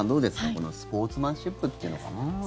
このスポーツマンシップというのかな。